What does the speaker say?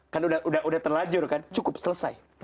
kan udah terlanjur kan cukup selesai